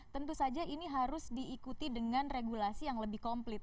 tentu saja ini harus diikuti dengan regulasi yang lebih komplit